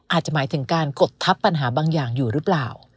อาจจะหมายถึงการกดทับปัญหาบางอย่างอยู่หรือเปล่า